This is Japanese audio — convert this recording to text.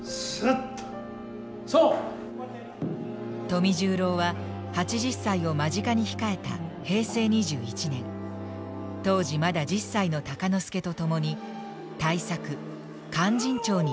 富十郎は８０歳を間近に控えた平成２１年当時まだ１０歳の鷹之資と共に大作「勧進帳」に挑みました。